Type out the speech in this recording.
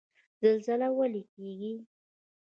زلزله ولې کیږي؟